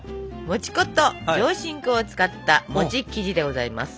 もち粉と上新粉を使った餅生地でございます。